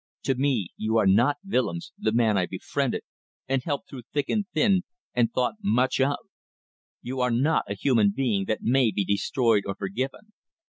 To me you are not Willems, the man I befriended and helped through thick and thin, and thought much of ... You are not a human being that may be destroyed or forgiven.